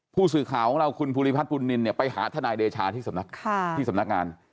ผู้สื่อข่าวของเราคุณภูริพัฒนบุญนินเนี่ยไปหาทนายเดชาที่สำนักงาน